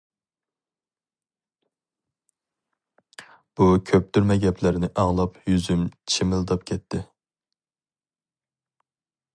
بۇ كۆپتۈرمە گەپلەرنى ئاڭلاپ يۈزۈم چىمىلداپ كەتتى.